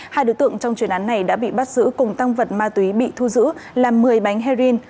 hai đối tượng trong chuyên án này đã bị bắt giữ cùng tăng vật ma túy bị thu giữ là một mươi bánh heroin